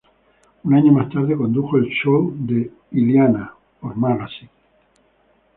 Un año más tarde condujo "El show de Iliana", por Magazine.